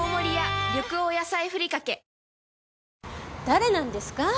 誰なんですか？